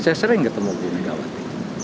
saya sering ketemu bu megawati